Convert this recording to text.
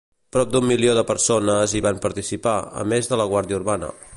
Prop d'un milió de persones hi van participar, a més de la Guàrdia Urbana.